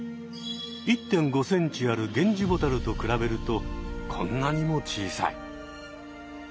１．５ｃｍあるゲンジボタルと比べるとこんなにも小さい。